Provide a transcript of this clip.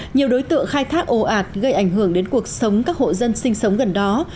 nhiều đối tượng khai thác ồ ạt gây ảnh hưởng đến cuộc sống các hộ dân sinh sống gần đó